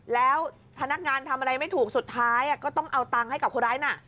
แล้วพนักงานทำอะไรไม่ถูกสุดท้ายก็ต้องเอาตังค์ให้กับคนร้ายน่ะ